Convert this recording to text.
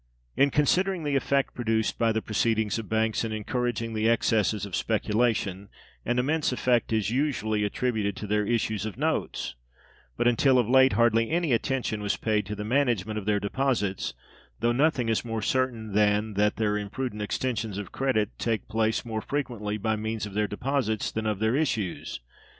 In considering the effect produced by the proceedings of banks in encouraging the excesses of speculation, an immense effect is usually attributed to their issues of notes, but until of late hardly any attention was paid to the management of their deposits, though nothing is more certain than that their imprudent extensions of credit take place more frequently by means of their deposits than of their issues.